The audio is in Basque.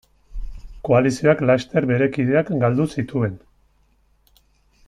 Koalizioak laster bere kideak galdu zituen.